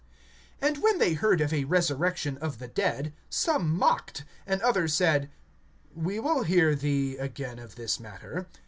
(32)And when they heard of a resurrection of the dead, some mocked; and others said: We will hear thee again of this matter.